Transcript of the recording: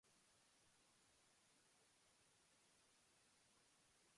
In Handbook of Record Storage and Archiving Basics.